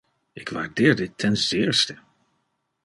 Ik waardeer dit ten zeerste.